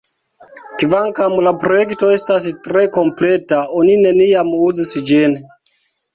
Kvankam la projekto estas tre kompleta, oni neniam uzis ĝin.